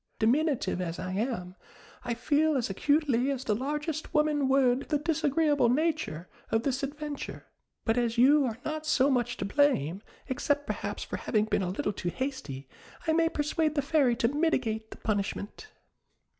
Diminutive as I am, I feel as acutely as the largest woman would the disagreeable nature of this adventure; but as you are not so much to blame, except perhaps for having been a little too hasty, I may persuade the Fairy to mitigate the punishment."